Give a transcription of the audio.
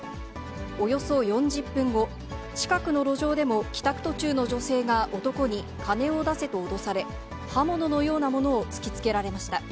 およそ４０分後、近くの路上でも帰宅途中の女性が男に金を出せと脅され、刃物のようなものを突きつけられました。